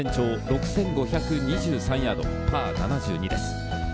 全長６５２３ヤード、パー７２です。